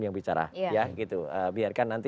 yang bicara ya gitu biarkan nanti